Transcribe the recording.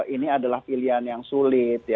ini adalah pilihan yang sulit